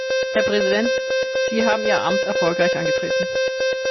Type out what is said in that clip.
Herr Präsident, Sie haben Ihr Amt erfolgreich angetreten.